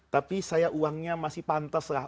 tapi saya uangnya masih pantaslah